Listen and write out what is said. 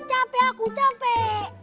capek aku capek